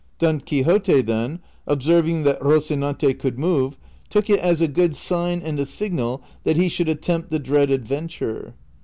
Don Quixote, then, observing that Rocinante could move, took it as a good sign and a signal that he should attempt the dread adventure.